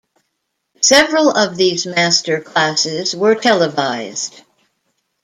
Several of these master classes were televised.